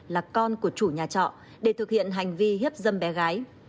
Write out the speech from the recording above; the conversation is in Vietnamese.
là con của chủ nhà trọ để thực hiện hành vi hiếp dâm bé gái